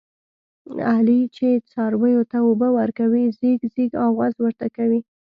علي چې څارویو ته اوبه ورکوي، ځیږ ځیږ اواز ورته کوي.